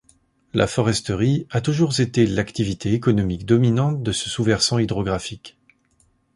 La foresterie a toujours été l'activité économique dominante de ce sous-versant hydrographique.